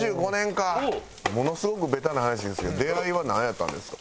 ものすごくベタな話ですけど出会いはなんやったんですか？